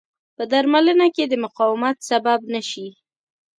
په درملنه کې د مقاومت سبب نه شي.